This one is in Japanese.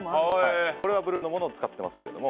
これはブルーのものを使っていますけど。